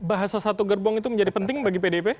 bahasa satu gerbong itu menjadi penting bagi pdip